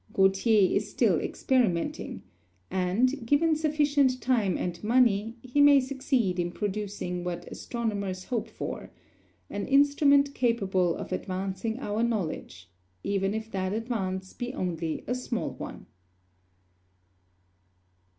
Gautier is still experimenting; and, given sufficient time and money, he may succeed in producing what astronomers hope for an instrument capable of advancing our knowledge, even if that advance be only a small one.